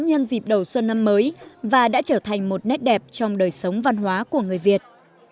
nhân dịp đầu xuân năm mới và đã trở thành một nét đẹp trong đời sống văn hóa của người việt